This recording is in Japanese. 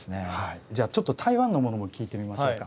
じゃあちょっと台湾のものも聴いてみましょうか。